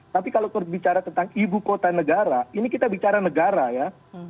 tapi kalau bicara tentang ibu kota negara ini kita bicara negara ya